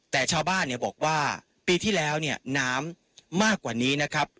แต่ชาวบ้านเนี่ยบอกว่าปีที่แล้วเนี่ยน้ำมากกว่านี้นะครับ